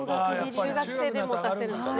中学生で持たせるんだね